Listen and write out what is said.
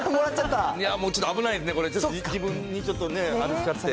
ちょっと危ないですね、自分にちょっとね、あれ、来ちゃって。